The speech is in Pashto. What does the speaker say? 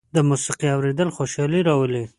د موسيقۍ اورېدل خوشالي راولي.